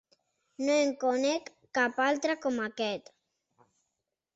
No en conec cap altre com aquest.